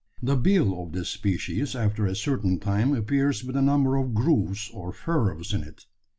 The bill of this species after a certain time appears with a number of grooves or furrows in it.